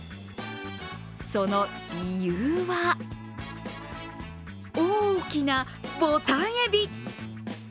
その理由は大きなボタン海老。